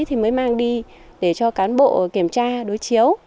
thì mới mang đi để cho cán bộ kiểm tra đối chiếu